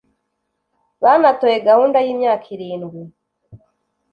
banatoye gahunda y’imyaka irindwi